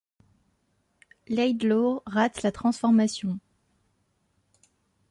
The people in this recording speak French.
Laidlaw rate la transformation.